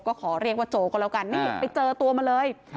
ก็ขอเรียกว่าโจก็แล้วกันนี่ไปเจอตัวมาเลย